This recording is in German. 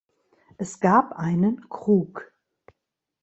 Es gab einen Krug.